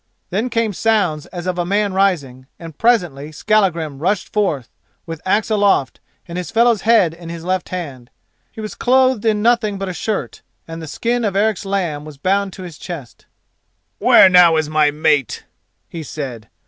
Then came sounds as of a man rising, and presently Skallagrim rushed forth with axe aloft and his fellow's head in his left hand. He was clothed in nothing but a shirt and the skin of Eric's lamb was bound to his chest. "Where now is my mate?" he said.